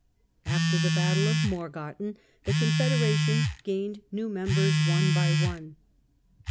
After the Battle of Morgarten, the Confederation gained new members one by one.